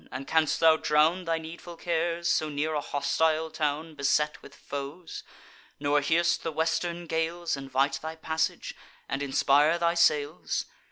and canst thou drown Thy needful cares, so near a hostile town, Beset with foes; nor hear'st the western gales Invite thy passage, and inspire thy sails?